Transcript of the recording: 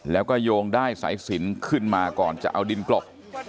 แล้วก็โยงได้สายสินขึ้นมาก่อนจะเอาดินกลบ